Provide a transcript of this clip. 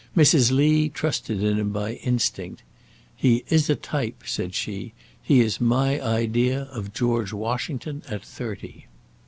Mrs. Lee trusted in him by instinct. "He is a type!" said she; "he is my idea of George Washington at thirty."